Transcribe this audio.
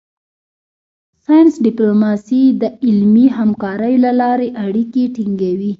ساینس ډیپلوماسي د علمي همکاریو له لارې اړیکې ټینګوي